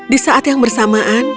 di saat yang bersamaan